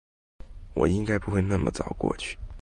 我应该不会那么早过去